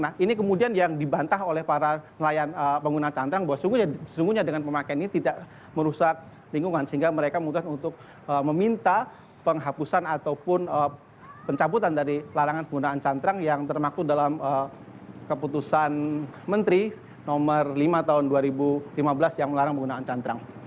nah ini kemudian yang dibantah oleh para nelayan penggunaan cantrang bahwa sejujurnya dengan pemakaian ini tidak merusak lingkungan sehingga mereka memutuskan untuk meminta penghapusan ataupun pencaputan dari larangan penggunaan cantrang yang termaku dalam keputusan menteri nomor lima tahun dua ribu lima belas yang melarang penggunaan cantrang